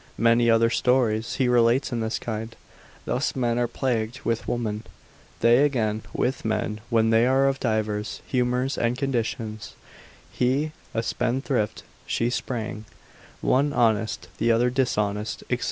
Many other stories he relates in this kind. Thus men are plagued with women; they again with men, when they are of divers humours and conditions; he a spendthrift, she sparing; one honest, the other dishonest, &c.